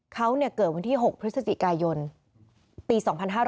เขาเนี่ยเกิดวันที่๖พฤศจิกายนปี๒๕๒๐